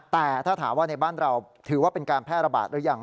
แต่ถ้าถามว่าในบ้านเราถือว่าเป็นการแพร่ระบาดหรือยัง